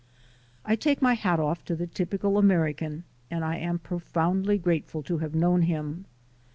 I take my hat off to the typical American and I am profoundly grateful to have known him.